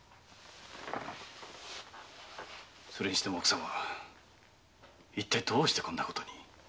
それにしても奥様一体どうしてこんなことに？